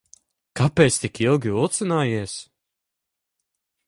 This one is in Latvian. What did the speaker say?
Kāpēc tik ilgi vilcinājies?